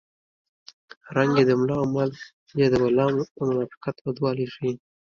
رنګ یې د ملا عمل یې د بلا د منافقت بدوالی ښيي